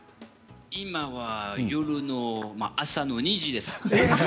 今は夜の朝の２時です。